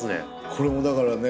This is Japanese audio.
これもだからね